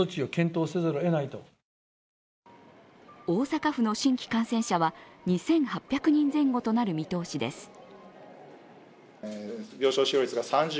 大阪府の新規感染者は２８００人前後となる見通しです。